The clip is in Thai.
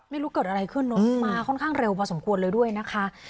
ไม่รู้เกิดอะไรขึ้นเนอะมาค่อนข้างเร็วพอสมควรเลยด้วยนะคะ